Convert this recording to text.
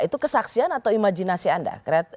itu kesaksian atau imajinasi anda